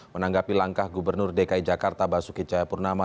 menanggapi langkah gubernur dki jakarta basuki cahayapurnama